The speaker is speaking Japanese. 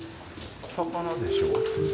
魚でしょ。